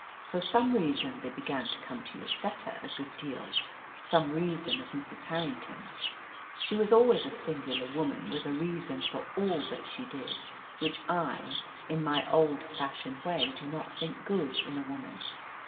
For some reason they began to come to Lloseta a good deal some reason of Mrs. Harrington's. She was always a singular woman, with a reason for all that she did, which I, in my old fashioned way, do not think good in a woman.